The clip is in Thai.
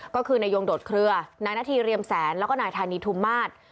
ก็คือนายยงโดดเคลือนายนาธีเรียมแสนแล้วก็นายธานีทุมมาศ